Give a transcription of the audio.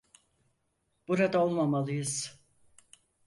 Burada olmamalıyız.